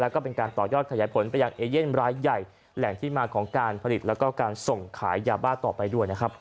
แล้วก็เป็นการต่อยอดไขยายผลไปยังเอเยี่ยมรายใหญ่